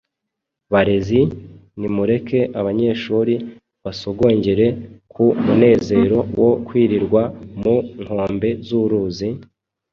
Barezi, nimureke abanyeshuri basogongere ku munezero wo kwirirwa ku nkombe z’uruzi,